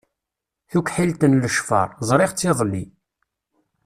Tukḥilt n lecfar, ẓriɣ-tt iḍelli.